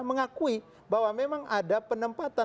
mengakui bahwa memang ada penempatan